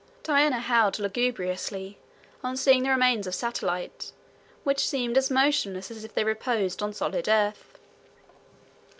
Diana howled lugubriously on seeing the remains of Satellite, which seemed as motionless as if they reposed on solid earth.